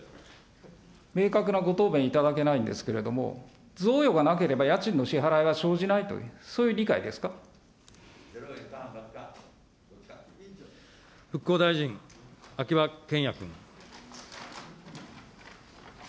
明確なご答弁いただけないんですけれども、贈与がなければ家賃の支払いは生じないという、そういう理解です復興大臣、秋葉賢也君。